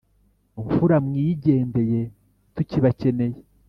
mfura mwigendeye tukibacyeneye